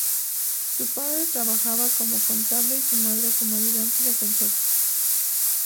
Su padre trabajaba como contable y su madre como ayudante de conserje.